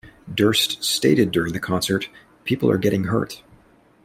Durst stated during the concert, People are getting hurt.